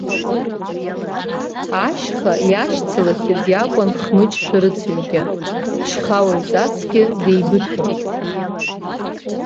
Ашьха иашьцылахьаз иакәын Хмыҷ шәарыцаҩгьы, шьхауаҩҵасгьы деибыҭоуп…